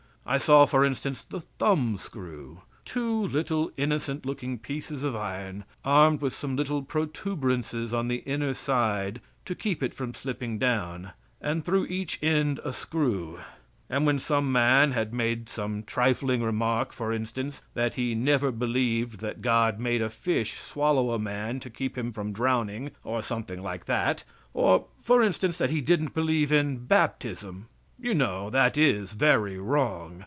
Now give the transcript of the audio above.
I saw, for instance, the thumb screw, two little innocent looking pieces of iron, armed with some little protuberances on the inner side to keep it from slipping down, and through each end a screw, and when some man had made some trifling remark, for instance, that he never believed that God made a fish swallow a man to keep him from drowning, or something like that, or, for instance, that he didn't believe in baptism. You know that is very wrong.